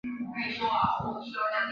北接番禺区。